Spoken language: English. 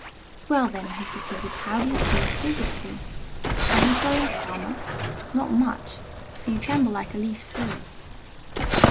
"Well then," he proceeded, "how do you feel physically? Are you growing calmer? Not much: for you tremble like a leaf still."